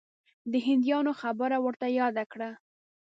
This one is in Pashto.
د هندیانو خبره ورته یاده کړه.